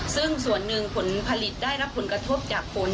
ซึ่งส่วนหนึ่งผลผลิตได้รับผลกระทบจากฝน